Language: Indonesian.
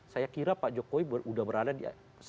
saya kira pak jokowi sudah berada di